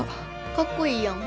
かっこいいやん。